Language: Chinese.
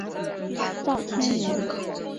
赵谦人。